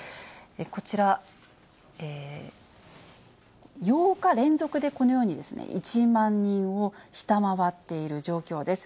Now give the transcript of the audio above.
こちら、８日連続で、このように１万人を下回っている状況です。